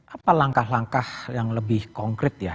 apa langkah langkah yang lebih konkret ya